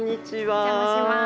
お邪魔します。